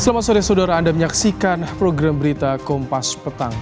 selamat sore saudara anda menyaksikan program berita kompas petang